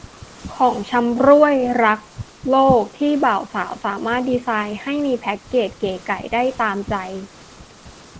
ของชำร่วยรักษ์โลกที่บ่าวสาวสามารถดีไซน์ให้มีแพ็กเกจเก๋ไก๋ได้ตามใจ